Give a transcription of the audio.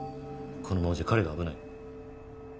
このままじゃ彼が危ない。